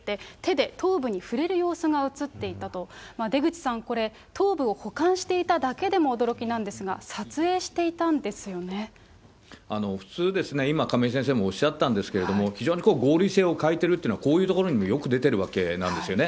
押収された動画には、何者かが浴室内で手袋をつけて手で頭部に触れる様子が写っていたと、出口さん、これ、頭部を保管していただけでも驚きなんですが、普通ですね、今、亀井先生もおっしゃったんですけれども、非常に合理性を欠いているというのは、こういうところにもよく出てるわけなんですよね。